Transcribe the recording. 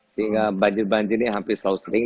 sehingga banjir banjirnya hampir selalu sering